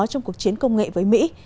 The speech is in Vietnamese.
trong cuộc chiến công nghệ với mỹ